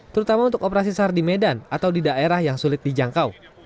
terutama untuk operasi sar di medan atau di daerah yang sulit dijangkau